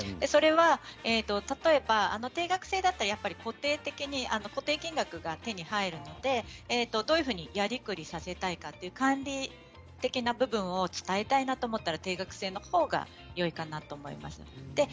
それは例えば、定額制だったら固定的に固定金額が手に入るのでどういうふうにやりくりさせたいかという管理的な部分を伝えたいなと思ったら定額制のほうがよいかなと思います。